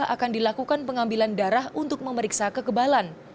akan dilakukan pengambilan darah untuk memeriksa kekebalan